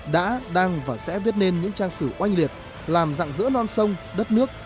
đã đang và sẽ viết nên những trang sử oanh liệt làm dạng dỡ non sông đất nước